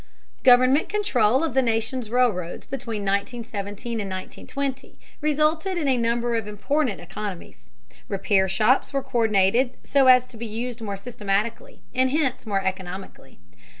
Government control of the nation's railroads between 1917 and 1920 resulted in a number of important economies. Repair shops were co÷rdinated so as to be used more systematically and hence more economically.